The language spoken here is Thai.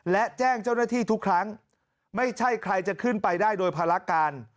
และแจ้งเจ้าหน้าที่ทุกครั้งไม่ใช่ใครจะขึ้นไปได้โดยภารการ